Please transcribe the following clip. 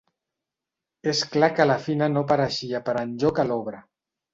És clar que la Fina no apareixia per enlloc a l'obra.